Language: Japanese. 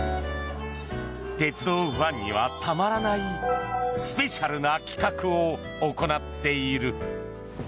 鉄道ファンにはたまらないスペシャルな企画を行っている。